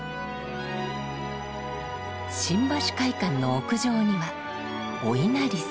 新橋会館の屋上にはお稲荷様。